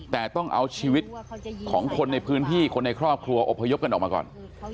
แต่ต้องเอาชีวิตของคนในพื้นที่คนในครอบครัวอบพยพกันออกมาก่อน